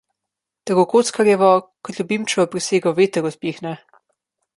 Tako kockarjevo kot ljubimčevo prisego veter odpihne.